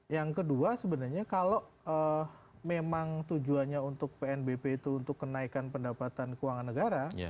yang kedua sebenarnya kalau memang tujuannya untuk pnbp itu untuk kenaikan pendapatan keuangan negara